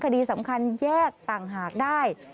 คดีสำคัญแยกต่างหากได้